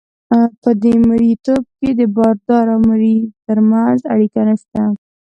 په دې مرییتوب کې د بادار او مریي ترمنځ اړیکه نشته.